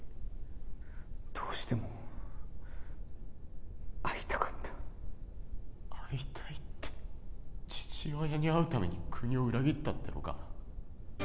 どうしても会いたかった会いたいって父親に会うために国を裏切ったっていうのか？